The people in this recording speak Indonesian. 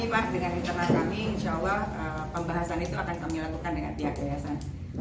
insya allah pembahasan itu akan kami lakukan dengan pihak yayasan